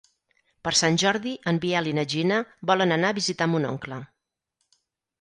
Per Sant Jordi en Biel i na Gina volen anar a visitar mon oncle.